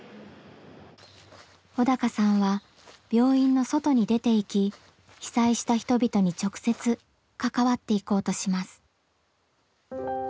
小鷹さんは病院の外に出ていき被災した人々に直接関わっていこうとします。